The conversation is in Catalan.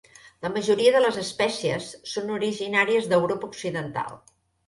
La majoria de les espècies són originàries d'Europa occidental.